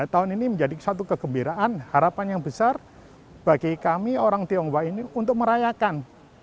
tahun ini menjadi satu kegembiraan harapan yang besar bagi kami orang tionghoa ini untuk merayakan